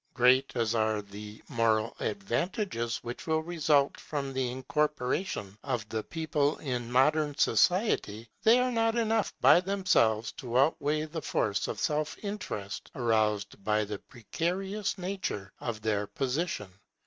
Great as are the moral advantages which will result from the incorporation of the people in modern society, they are not enough by themselves to outweigh the force of self interest aroused by the precarious nature of their position.